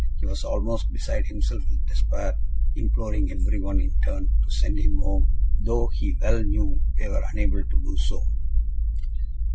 He was almost beside himself with despair, imploring every one, in turn, to send him home, though he well knew they were unable to do so.